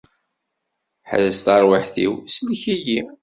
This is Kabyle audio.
Ḥrez tarwiḥt-iw, sellek-iyi!